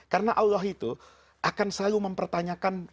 karena allah itu akan selalu mempertanyakan